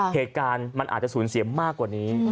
เหตุการณ์มันอาจจะสูญเสียมากกว่านี้